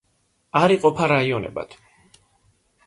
არ იყოფა რაიონებად.